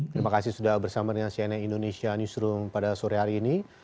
terima kasih sudah bersama dengan cnn indonesia newsroom pada sore hari ini